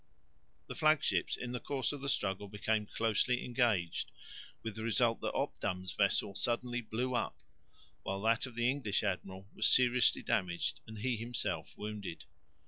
The flag ships in the course of the struggle became closely engaged, with the result that Obdam's vessel suddenly blew up, while that of the English admiral was seriously damaged and he himself wounded.